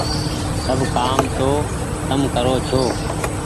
سب ڪآم تم تو ڪرو ڇو۔